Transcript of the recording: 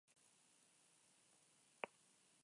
Orain, ordutegien berri ere izan dugu.